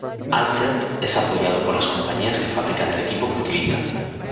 Alfred es apoyado por las compañías que fabrican el equipo que utiliza.